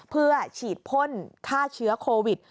เพื่อฉีดพ่นฆ่าเชื้อโควิด